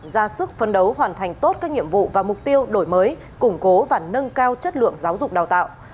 ra sức phấn đấu hoàn thành tốt các nhiệm vụ và mục tiêu đổi mới củng cố và nâng cao chất lượng giáo dục đào tạo